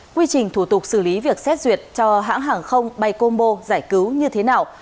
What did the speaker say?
quy trình thủ tục xử lý việc xét duyệt cho hãng hàng không bay combo giải cứu như thế nào